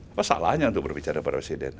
apa salahnya untuk berbicara pada presiden